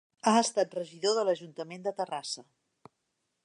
Ha estat regidor de l'ajuntament de Terrassa.